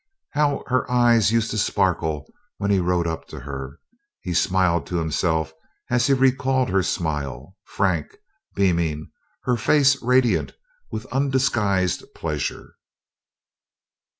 How her eyes used to sparkle when he rode up to her! He smiled to himself as he recalled her smile frank, beaming, her face radiant with undisguised pleasure.